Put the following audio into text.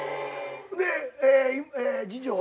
で次女は？